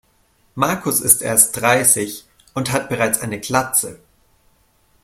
Markus ist erst dreißig und hat bereits eine Glatze.